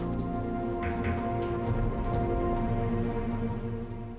al ikut aku pak